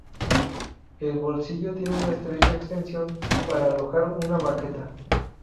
El bolsillo tiene una estrecha extensión para alojar una baqueta.